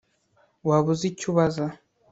Waba uzi icyo ubaza